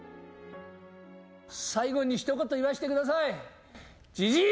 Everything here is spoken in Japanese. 最後にひと言言わせてください。